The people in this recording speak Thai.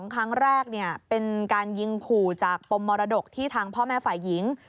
ครั้งแรกเป็นการยิงขู่จากปมมรดกที่ทางพ่อแม่ฝ่ายหญิง